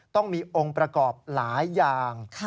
ต้องมีองค์ประกอบหลายอย่าง